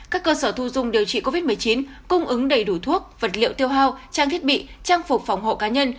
các cơ sở thu dung điều trị covid một mươi chín cung ứng đầy đủ thuốc vật liệu tiêu hao trang thiết bị trang phục phòng hộ cá nhân